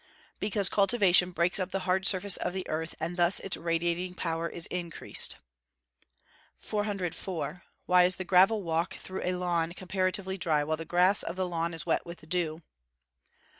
_ Because cultivation breaks up the hard surface of the earth, and thus its radiating power is increased. 404. _Why is the gravel walk through a lawn comparatively dry while the grass of the lawn is wet with dew?